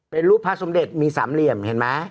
เป็นรูปพระสมเด็จมีสามเหลี่ยมเห็นไหม